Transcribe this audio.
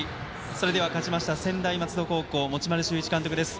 勝ちました専大松戸高校持丸修一監督です。